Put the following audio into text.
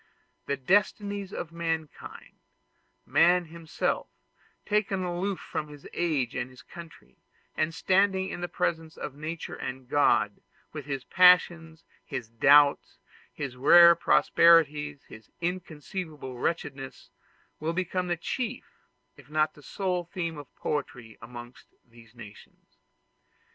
The destinies of mankind man himself, taken aloof from his age and his country, and standing in the presence of Nature and of God, with his passions, his doubts, his rare prosperities, and inconceivable wretchedness will become the chief, if not the sole theme of poetry amongst these nations.